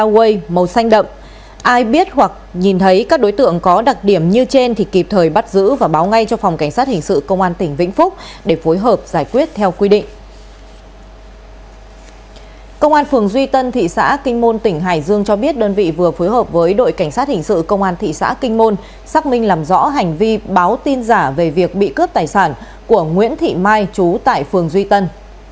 với đội cảnh sát hình sự công an thị xã kinh môn xác minh làm rõ hành vi báo tin giả về việc bị cướp tài sản của nguyễn thị mai chú tại phường duy tân